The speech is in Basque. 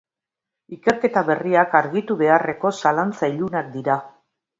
Ikerketa berriak argitu beharreko zalantza ilunak dira.